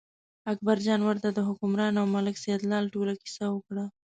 اکبرجان ورته د حکمران او ملک سیدلال ټوله کیسه وکړه.